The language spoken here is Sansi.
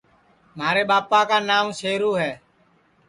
مھارے ٻاپا کا ناو شیرو ہے